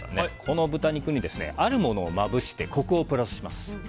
この豚肉にあるものをまぶしてコクをプラスします。